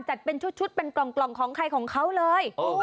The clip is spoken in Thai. จัดเป็นชุดเป็นกล่องของใครของเขาเลย